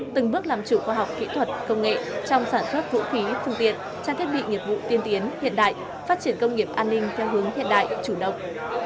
từng bước làm chủ khoa học kỹ thuật công nghệ trong sản xuất vũ khí phương tiện trang thiết bị nghiệp vụ tiên tiến hiện đại phát triển công nghiệp an ninh theo hướng hiện đại chủ động